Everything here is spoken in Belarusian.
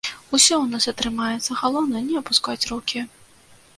Усё у нас атрымаецца, галоўнае не апускаць рукі.